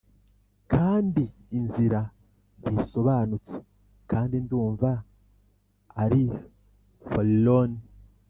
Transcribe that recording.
kandi inzira ntisobanutse kandi ndumva ari forlorn,